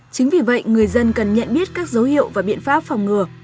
chính vì vậy người dân cần nhận biết các dấu hiệu và biện pháp phòng ngừa